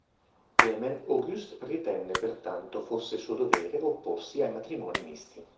Clemens August ritenne pertanto fosse suo dovere opporsi ai matrimoni misti.